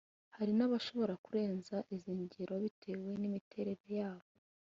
Hari n’abashobora kurenza izi ngero bitewe n'imiterere yabo